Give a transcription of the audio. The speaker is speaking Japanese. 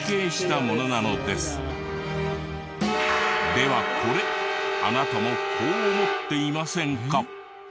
ではこれあなたもこう思っていませんか？